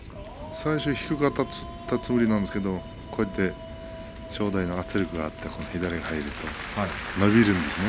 最初低かったんですが正代の圧力があって左が入ると伸びるんですね。